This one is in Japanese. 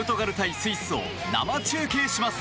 スイスを生中継します。